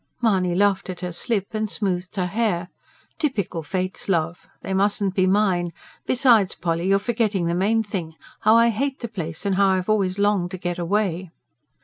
Mahony laughed at her slip, and smoothed her hair. "Typical fates, love! They mustn't be mine. Besides, Polly, you're forgetting the main thing how I hate the place, and how I've always longed to get away."